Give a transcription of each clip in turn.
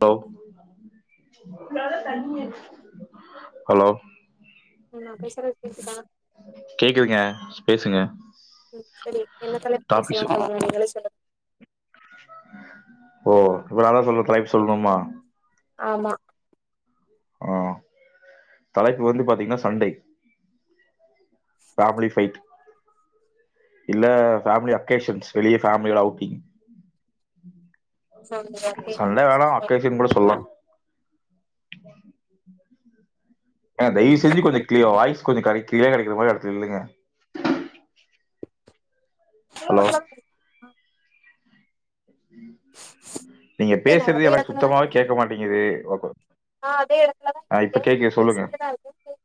Hello hello நா பேசுறது கேட்குதா கேக்குதுங்க பேசுங்க உம் செரி என்ன தலைப்பு டாபிக்ஸ் பேசலாம் நீங்களே சொல்லுங்க ஓ இப்ப நாதா சொல்ற தலைப்பு சொல்லணுமா ஆமா ஆஹ் தலைப்பு வந்து பாத்தீங்கன்னா சண்டை ஃபேமிலி ஃபைட் இல்ல ஃபேமிலி அக்கேஷன்ஸ் வெளிய பேமிலீல அவுட்டிங் சொல்லுங்க கேக்குது சண்ட வேணா அக்கேசன்னு கூட சொல்லா ஆ ஏங்க தயவு செஞ்ச கொஞ்ச கிளி வாய்ஸ் கொஞ்சோ கர க்ளியரா கெடைக்கிற மாதிரி இடத்துல நில்லுங்க ஹலோ நீங்க ஓகே நா பேசுறது அதே எனக்கு எடத்துலதா சுத்தமாவே இருக்கே கேட்க மாட்டேங்குது நா அதே எடத்துலதா ஆஹ் இப்ப இருக்கே கேக்குது சொல்லுங்க பேசிக்கிட்டுதா இருக்கே கேக்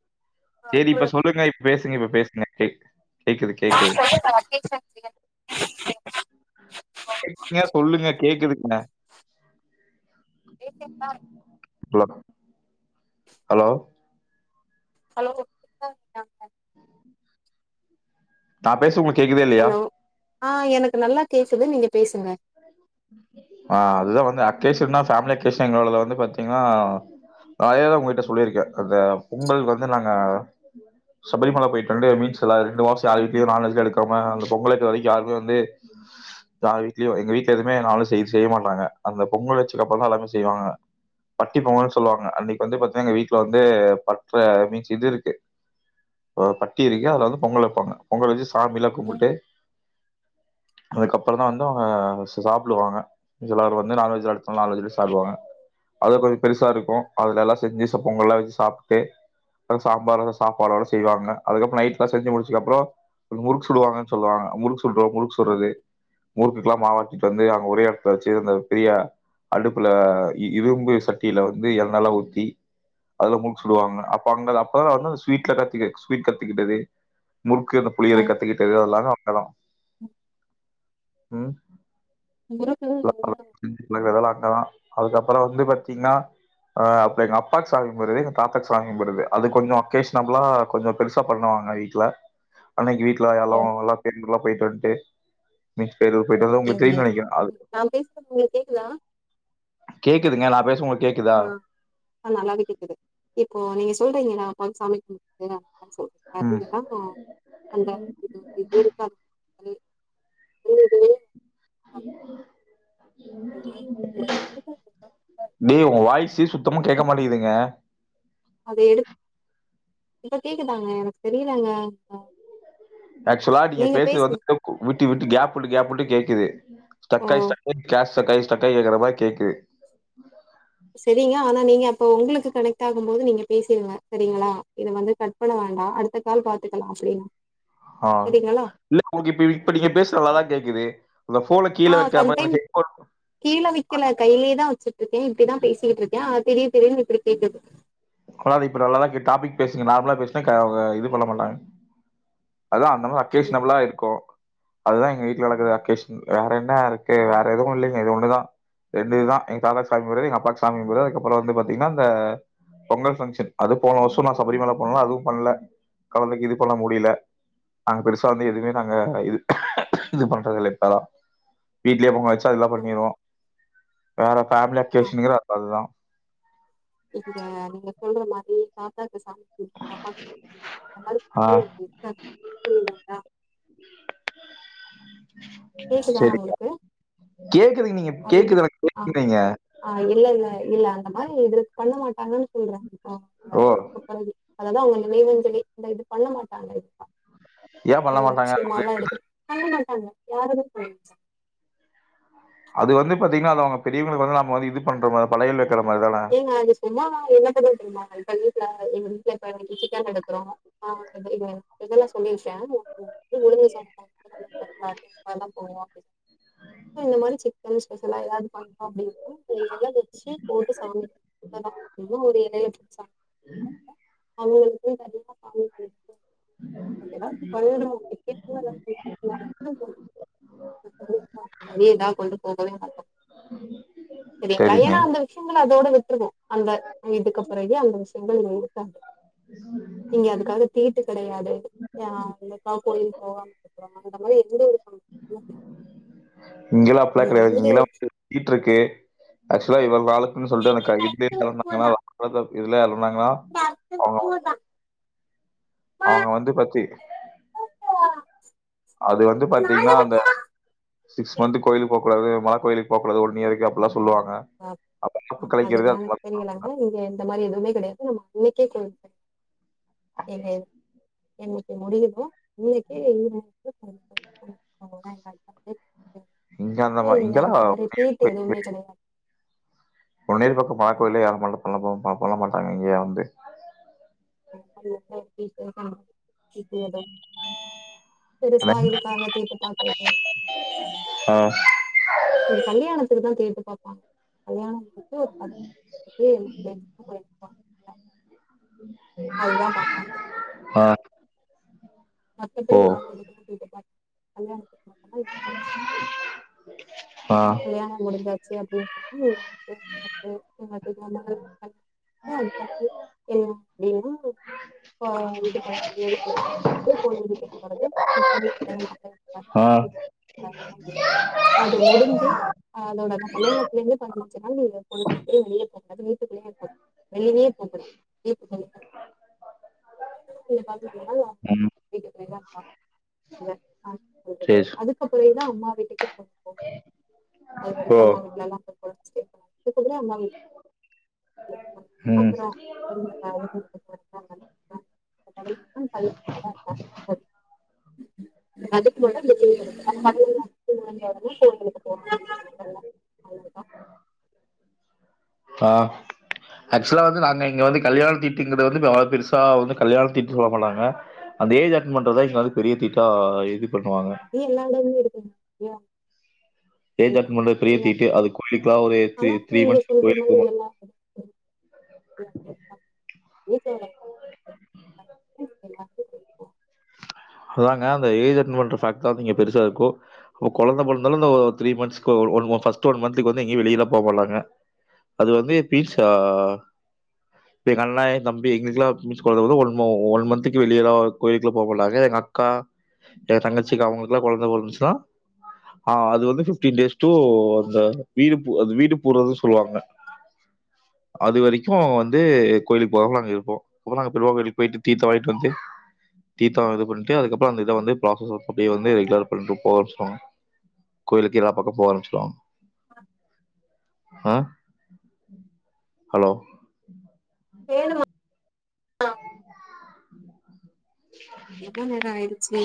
செரி இப்ப சொல்லுங்க இப்ப பேசுங்க இப்ப பேசுங்க கேக் கேக்குது கேக்குது [inaudible] கேக்குதுங்க சொல்லுங்க கேக்குதுங்க ஹலோ ஹலோ ஹலோ [inaudible] நா பேசுறது உங்களுக் ஹலோ ஆஹ் எனக்கு நல்லா கே குது நீங்க பேசுங்க ஆஹ் அதுதான் வந்து அக்கேஷனா ஃபேமிலி அகேஷன் எங்களோடது வந்து பாத்தீங்கன்னா [unintelligible] உங்கள்ட சொல்லிருக்கேன் அந்த பொங்கல் வந்து நாங்க சபரிமல போயிட்டு வந்து மீன்ஸ்ல்ல ரெண்டு மாசம் யார் வீட்லயு நான்வெஜ்லா எடுக்காம அந்த பொங்கல் வெக்குற வரைக்கும் யாருமே வந்து யார் வீட்லய எங்க வீட் எதுமே [unintelligible] செய்ய மாட்டாங்க அந்த பொங்கல் வச்சதுக்கு அப்புறம் தான் எல்லாமே செய்வாங்க பட்டி பொங்கல்னு சொல்வாங்க அன்னிக்கு வந்து பாத்தாங்னா எங்க வீட்ல வந்து பட்ற மீன்ஸ் இது இருக்கு ஆஹ் பட்டி இருக்கு அதுல வந்து பொங்கல் வைப்பாங்க பொங்கல் வச்சு சாமிலா ம் கும்புட்டு அதுக்கப்புறம் தான் வந்து அவுங்க சாப்புடுவாங்க எல்லாரும் வந்து நான்வெஜ்லா எடுத்து நான்வேஜுல சாப்டுவாங்க அதுக்கப்பறோ பெருசா இருக்கும் அதுலலாம் செஞ்சு ச பொங்கல்லா வச்சு சாப்ட்டு அ சாம்பார் லா சாபாடோட செய்வாங்க அதுக்கப்பறம் நைட்ல செஞ்சு முடிச்சுதுக்கப்ரம் முறுக்கு சுடுவங்கானு சொல்வாங்க முறுக்கு சுட் முறுக்கு சுட்ரது முறுக்குக்கலாம் மாவாட் ட்டு வந்து அங்க ஒரே எடத்துலா வச்சு அந்த பெரிய அடுப்புல இ இ இரும்பு சட்டில வந்து எண்ணல்லாம் ஊத்தி அதுல முருக்கு சுடுவாங்க அப்ப அங்கல அப்பலாம் வந்து ஸ்வீட்லா கத்து ஸ்வீட் கத்துக்கிட்டது முறுக்கு அந்த புளியரை ம் கத்துக்கிட்டது அதெல்லாமே அங்கதான் ம் குரூப்ல ல்ல [inaudible] செஞ்சு பழகுனது அதெல்லாம் அங்கதான் அதுக்கப்புறம் வந்து பாத்தீங்கன்ன அப்ப எங்க அப்பாக்கு சாமி கும்புறது எங்க தாத்தாக்கு சாமி கும்புறது அது கொஞ்சோ அகேஷனபிளா கொஞ்சோ பெருசா பண்ணுவாங்க வீட்ல அன்னிக்கு வீட் ல ஓ எல்லாம் [inaudible] போய்ட்டு வன்டு மிச்ச பேரு போ எங்கு நான் பேசுறனது உங்களுக்கு கேக்குதா கேக்குதுங்க நான் பேசும் உங்களுக் ஆஹ் அஹ் நல்லாவே கேக்குது இப்போ நீங்க சொல்றீங்க நா [unintelligible] சாமி கும்டு [inaudible] ம் வருவிங்கனா அந்த இது [inaudible] [inaudible] டேய் உங்க வாய்சே சுத்தமா கேக்க மாட்டிதுங்க அத எடு இப்ப கேக்குதாங்க எனக்கு தெரியலங்க [unintelligible] ஆக்சுவலா நீங்க பேசுறது வந்து கு விட்டு விட்டு கேப் விட்டு கேப் விட்டு கேக்குது ஸ்டெப் ஓ by step case step by step கேக்குற மாரி கேக்குது செரிங்க ஆனா நீங்க அப்போ உங்களுக்கு கனெக்ட் ஆகும் போது நீங்க பேசிருங்க செரிங்ளா இத வந்து கட் பண்ண வேண்டா அடுத்த கால் பாத்துக்லா அப்டினா ஆஹ் இல்ல உங்களுக்கு இப்ப நீங்க பேசுறது நல்லாதா கேக்குது அந்த ஃபோன கீழ ஆ வைக்காம அந்த சம்டைம் ஹெட்போன் கீழ வெக்கல கைலேதா வச்சிட்ருக்க இப்டிதா பேசிக்கிட்ருக்க அது திடிர் திடிர்னு இப்டி கேக்குது ஆஹ் இப்ப நல்லதா கேக்குது டாபிக் பேசுங்க நார்மலா பேசுனா க க இது பண்ண மாட்டாங்க அத அந்த மாரி ம் அக்கேஷனபிளா இருக்கு அதுதா எங்க வீட்ல நடக்குற அக்கேஷன் வேற என்ன இருக்கு வேற எதுவு இல்லைங்க இது ஒன்னுதா ரெண்டு இதுதா எங்க தாதாக் சாமி கும்புட்றது எங்க அப்பாக்கு சாமி கும்புட்றது அதுக்கப்பற வந்து பாத்தீங்கனா இந்த பொங்கல் பங்க்ஷன் அது போன வர்ஷோ நா சபரிமல போனனால அதுவு பண்ல கொழந்தைக்கு இது பண்ண முடிய்ல நாங்க பெருசா வந்து எதுமே நாங்க அ இது இது பண்றதில்ல இப்ப வீட்லே பொங்க வச்சு அது இதா ஆ பண்ணிருவோ வேற ஃபேம்லி அக்கேஷன்ங்கிறது அத் அதுதா எப்டிங்க நீங்க சொல்ற மாதிரியே காக்கா பேசாம போ பாப்பாக்கு அந்த மாரி ஆ பிஃபோர் [unintelligible] பேசலா உங்களுக்கு க்குனு நீங்க அப்படின்னு கேக்குது எனக்கு ஆ [inaudible] ஆ இல்ல இல்ல இல்ல அந்த மாரி இதுக்கு பண்ண எல்லாத்துக்கு ஓ வாழ்த்துக்கள் அவ்ங்கதா அவ்ங்க நினைவஞ்சலி இல்ல இது பண்ணமாட்டாங்க இதுக்கா ஏன் பண்ண நல்ல மாட்டாங்க விஷயமால இருக்கு அவ்ங்க யாருமே போய்ர்ச்சு அது வந்து பாத்தீங்னா அது அந்த பெரியவங்களுக்கு வந்து நாம வந்து இது பண்ற மார் வளையல் எடு ஏங்க ஒங்களுக்கு சும்மா என்ன பண்றது தெரியுமா ஹைபையி அஹ் எங்க வீட்ல இப்ப இன்னைக்கு சிக்கன் எடுக்கிறோ ஆஹ் எத்தனபேர் தெளிவா சொல்லிற்கே ஒ பொண்ணு ஒழுங்கா சாப்ட்டா [unintelligible] இந்த மாரி சிக் கன் ஸ்பெஷலா எதாவ்து பண்றோ அப்டின்ட்டு ஒரு எல வச்சு போட்டு சாப் ஒரு எல வெறு ஒரு எலய வச்சா அவ்ங்களுக்கு கண்டிப்பா காலம் வரு எதாச்சு பழகனு கிரிக்கெட்னா [unintelligible] அதேதா கொண்டு போகவே மாட்டோ செரிங்ளா சரிங்க ஏனா வந்து போனா அதோட விட்றனு அந்த இதுக்கு பிறகு அந்த விஷ்யங்கள் இங்க இருக்காது நீ அதுக்காக தீட்டு கெடையாது யாரு வந்துதா கோயில் போலான்றுக்றோமா அந்த மாரி எந்த ஒரு சம்பந்தமும் இங்கெல்லா அப்பிட்லா இல்லை. நீங்க கெடையாது இங்கலா வந்துட்டு வந்து தீட்டு இருக்கு ஆக்சுவலா இவள் வாழ னு சொல்ட்டு அந்த கையிலே இருந்தவன் தா நாலா [unintelligible] இதுல அ லாங்கா அவங்க அவங்க வந்து பத்தி அது வந்து பாத்தீங்கனா அந்த சிக்ஸ் மந்த்து கோயிலு போ கூடாது மல கோயிலுக்கு போக்கூடாது நீ எதுக்கு அப்டிலா அ அதுதா அது எனக்கு மாரி தெரியலங்க நீங்க இந்த மாரி எதுவுமே கிடையாது நம்ம இன்னைக்கே கொல்லுங்க ஏங்க என்னைக்கு முடியுமோ நீங்க போய் [unintelligible] இங்க அந்த மா இல்லைங்க அந்த இங்கெல்லாம் மாரி தீட்டு எதுவுமே கெடையாது பொன்னேறி பக்கம் மல கோயில யாரும் மட்டம் பண்ண மாட்டாங்க, மட்டம் பண்ண மாட்டாங்க இங்கயா வந்து [unintelligible] [unintelligible] பெருசாய் இதுக்காக தீட்டு பாக்குறதுக்கு ஆ எங்க கல்யாணத்துல தா தீட்டு பாப்பா கல்யாணம் வந்துட்டு ஒரு பத வந்துட்டு [unintelligible] ஆ மத்தப்படி ஓ ஏதாவது [unintelligible] அயா [unintelligible] ஆ கல்யாணம் முடிஞ்சா சரி அப்டினு சொன்னா நீங்க [unintelligible] [unintelligible] போ இது பண்ண பொண்ணுக்கு வீட்டுக்கு போறது பொண்ணையும் மாப்ளையும் ஆ [unintelligible] அது முடிஞ்சு சி அதோட அந்த கல்யாணத்துல இருந்து பதுனஞ்சு நாளு பொண்ணும் மாப்ளையும் வெளிய போ அதுலே இரு வெளியே போ வெளியவே போ கூடாது ம் [unintelligible] சேரி அதுக்கப்புறம் அம்மா வீட்டுக்கே போ [unintelligible] அது ஓ வரைக்கும் அம்மா வீட்டுல எல்லாம் போயிடிச்சி [unintelligible] அம்மா வீட்டு ம் அப்புறம் [unintelligible] [unintelligible] [unintelligible] அவ்ளோ தா ஆஹ் ஆக்சுலா வந்து நாங்க இங்க வந்து கல்யாண தீட்டுங்க வந்துள பெருசா வந்து கல்யாண தீட்டா சொல்ல மாட்டாங்க அந்த ஏரியா அட்டன் பண்றதா இங்க வந்து பெரிய தீட்டா இது பண்ணுவாங்க அது எல்லா இடமும் இருக்குங்க ஐயா ஏஜ் அட்டென்ட் பன்றது பெரிய தீட்டு அது கோிலிக்கலா ஒரு ஆனா த்ரீ நீங்க மந்த்ஸ் கோய போ ா [unintelligible] அதாக அந்த ஏஜ் அட்டென்ட் பன்ற சாக்குல பெருசா இருக்கு கெழந்த பொறந்தாலு மந்தங்க வெளியிலாம் போ மாட்டாங்க அது வந்து அண்ணா தம்பி எங்க ஒளிய கோயிலுக்குள்ள போக மாட்டாங்க அக்க தங்கச்சிக்கு அவங்களுக்குல்லாம் குழந்தந்துச்சுதான்ஹ் அது வந்து ஃபிப்ட்டீன் டேஸ் டூ அந்த வீடு பூதுறது சொல்லுவாங்க அது வரைக்கு வந்து கோயிலுக்கு போகமா நாங்க இருப்போ பிள்ளையார் கோவிலுக்கு போயிட்டு தீர்த்தம் வாங்கீட்டு வந்து தீர்த்தம் பண்ணி அதுக்கப்புறம் அந்த இத வந்து புராசஸ் அப்டியே வந்து ரெகுலர் பண்ணிட்டு போக ஆரம்பிச்சுருவோ கோயிலுக்கு எல்லா பக்கோ போக ஆரம்பச்சுருவோ ஆஹ ம் ஹலோ [unintelligible] எவ்ளோ நேரோ ஆயிடுச்சு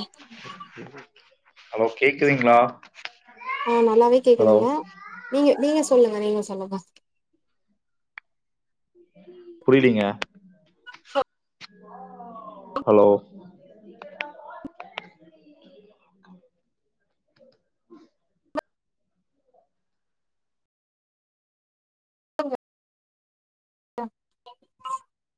ஹலோ கேக்குதுங்களா ஆஹ் நல்லாவே ஹலோ கேக்குதுங்க நீங்க நீங்க சொல்லுங்க நீங்க சொல்லுங்க புரிலீங்க ஹலோ அ